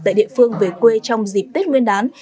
tại địa phương về quê trong dịp tết nguyên đán